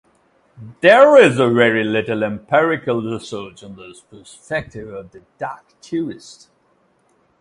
There is very little empirical research on the perspective of the dark tourist.